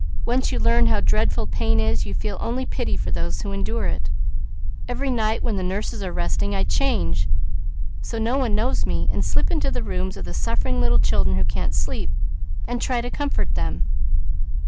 Once you learn how dreadful pain is, you feel only pity for those who endure it. Every night when the nurses are resting, I change so no one knows me, and slip into the rooms of the suffering little children who can't sleep, and try to comfort them."